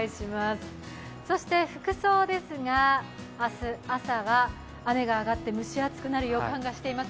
そして服装ですが明日朝は、雨が上がって蒸し暑くなる予感がしています。